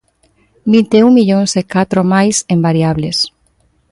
Vinte e un millóns e catro máis en variables.